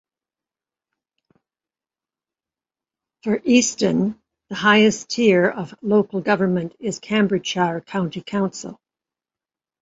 For Easton the highest tier of local government is Cambridgeshire County Council.